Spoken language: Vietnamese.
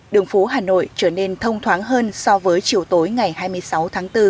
đường phố hà nội trở nên thông thoáng hơn so với chiều tối ngày hai mươi sáu tháng bốn